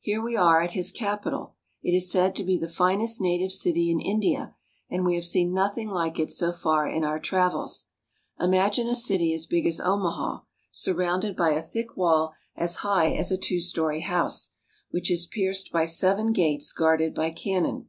Here we are at his capital. It is said to be the finest native city in India, and we have seen nothing like it so far in our travels. Imagine a city as big as Omaha, surrounded by a thick wall as high as a two story house, which is pierced by seven gates guarded by cannon.